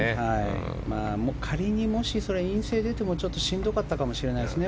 仮に、もし陰性が出てもしんどかったかもしれないですね。